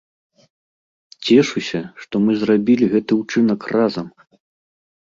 Цешуся, што мы зрабілі гэты ўчынак разам!